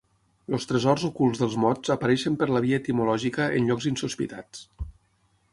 Els tresors ocults dels mots apareixen per la via etimològica en llocs insospitats.